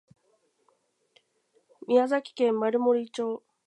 宮城県丸森町